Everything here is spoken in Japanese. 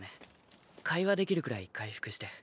会話できるくらい回復して。